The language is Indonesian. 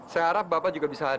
saya harap bapak juga bisa